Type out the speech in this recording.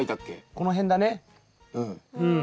この辺だねうん。